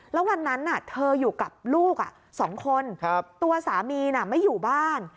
แล้ววันนั้นเธออยู่กับลูก๒คนตัวสามีไม่อยู่บ้าน